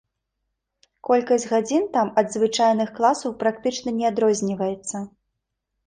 Колькасць гадзін там ад звычайных класаў практычна не адрозніваецца.